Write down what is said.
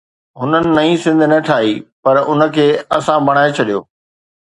هنن نئين سنڌ نه ٺاهي، پر ان کي آسان بڻائي ڇڏيو.